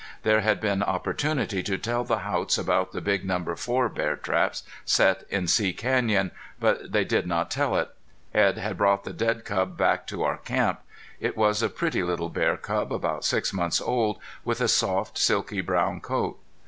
There had been opportunity to tell the Haughts about the big number four bear traps set in See Canyon. But they did not tell it. Edd had brought the dead cub back to our camp. It was a pretty little bear cub, about six months old, with a soft silky brown coat.